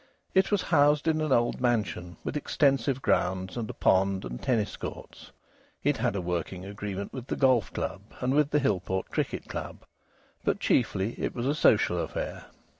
It was housed in an old mansion, with extensive grounds and a pond and tennis courts; it had a working agreement with the Golf Club and with the Hillport Cricket Club. But chiefly it was a social affair.